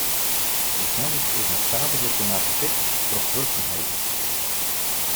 De sneldyk is no saterdeitenacht ticht troch wurksumheden.